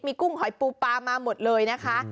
มีกุ้งหอยปูปลามาหมดเลยนะคะ